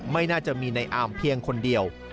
ไม่น่าจะมีในอามเพียงคนเดียว